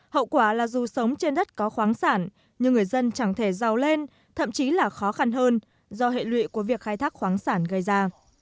hậu quả là dù sống trên đất có khoáng sản nhưng người dân chẳng thể giàu lên thậm chí là khó khăn hơn do hệ lụy của việc khai thác khoáng sản gây ra